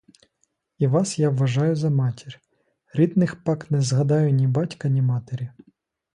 І вас я вважаю за матір: рідних пак не згадаю ні батька, ні матері.